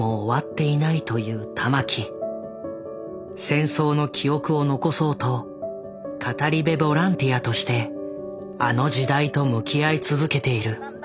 戦争の記憶を残そうと語り部ボランティアとしてあの時代と向き合い続けている。